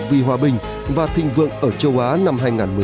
vì hòa bình và thịnh vượng ở châu á năm hai nghìn một mươi chín